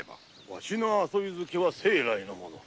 わしの遊び好きは生来のもの